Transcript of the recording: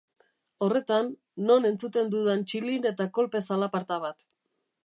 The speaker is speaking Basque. Horretan, non entzuten dudan txilin eta kolpe zalaparta bat.